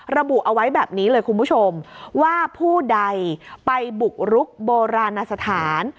ระบุเอาไว้แบบนี้เลยคุณผู้ชมว่าผู้ใดไปบุกรุกโบราณสถาน